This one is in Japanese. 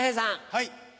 はい。